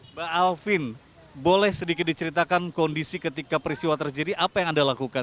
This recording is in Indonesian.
mbak alvin boleh sedikit diceritakan kondisi ketika peristiwa terjadi apa yang anda lakukan